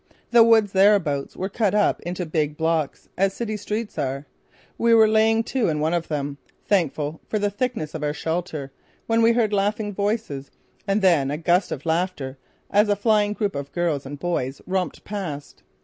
The woods thereabouts were cut up into big blocks, as city streets are. We were laying to in one of them, thankful for the thickness of our shelter when we heard laughing voices and then a gust of laughter as a flying group of girls and boys romped past.